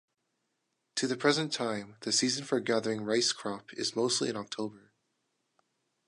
To the present time, the season for gathering rice crop is mostly in October.